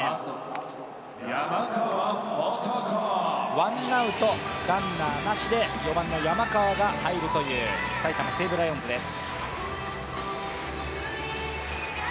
ワンアウト、ランナーなしで４番の山川が入るという埼玉西武ライオンズです。